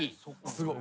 すごい。